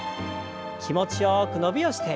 気持ちよく伸びをして。